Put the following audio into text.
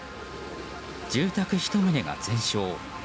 住宅１棟が全焼。